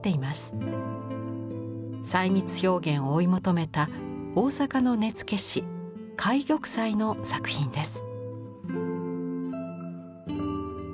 細密表現を追い求めた大坂の根付師懐玉斎の作品です。